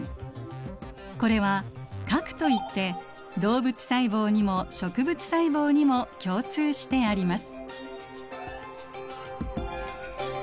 これは核といって動物細胞にも植物細胞にも共通してあります。